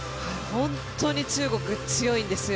本当に中国、強いんですよ。